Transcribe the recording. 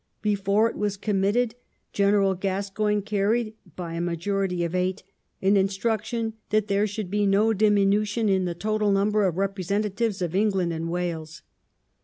Before it was committed General Gascoyne carried, by a majority of eight, an instruction that there should be no diminution in the total number of representatives of England and Wales.